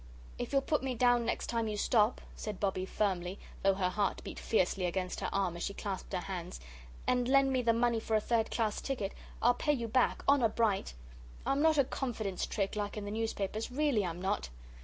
"If you'll put me down next time you stop," said Bobbie, firmly, though her heart beat fiercely against her arm as she clasped her hands, "and lend me the money for a third class ticket, I'll pay you back honour bright. I'm not a confidence trick like in the newspapers really, I'm not."